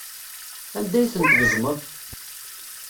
Anda ay tent-tgezmeḍ?